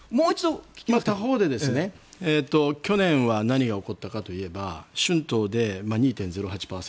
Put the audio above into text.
他方で去年、何が起こったかといえば春闘で２．０８％